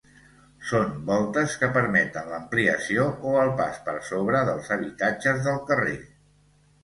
Són voltes que permeten l'ampliació o el pas per sobre dels habitatges del carrer.